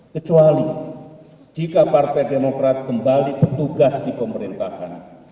kecuali jika partai demokrat kembali bertugas di pemerintahan